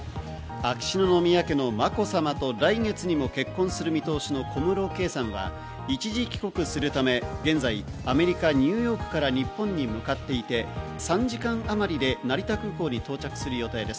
秋篠宮家のまこさまと来月にも結婚する見通しの小室圭さんは一時帰国するため、現在、アメリカ・ニューヨークから日本に向かっていて、３時間あまりで成田空港に到着する予定です。